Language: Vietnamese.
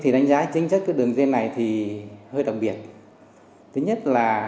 đánh giá chính chất đường dây này hơi đặc biệt